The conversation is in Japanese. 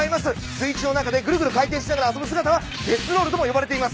水中の中でぐるぐる回転しながら遊ぶ姿はデスロールとも呼ばれています。